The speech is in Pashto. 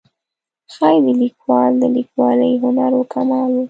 ښایي د لیکوال د لیکوالۍ هنر و کمال و.